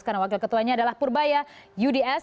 karena wakil ketuanya adalah purbaya uds